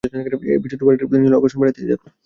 এ বিচিত্র বাড়িটির প্রতি নীলুর আকর্ষণ বাড়তেই থাকল।